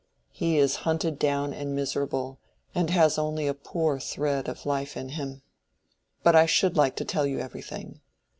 He is hunted down and miserable, and has only a poor thread of life in him. But I should like to tell you everything.